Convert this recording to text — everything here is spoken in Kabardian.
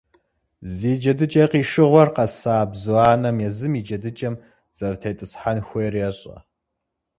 Зи джэдыкӀэ къишыгъуэр къэса бзу анэм езым и джэдыкӀэм зэрытетӀысхьэн хуейр ещӀэ.